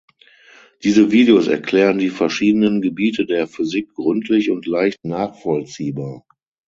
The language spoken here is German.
Diese Videos erklären die verschiedenen Gebiete der Physik gründlich und leicht nachvollziehbar.